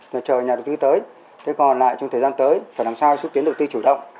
để chờ nhà đầu tư tới thế còn lại trong thời gian tới phải làm sao xúc tiến đầu tư chủ động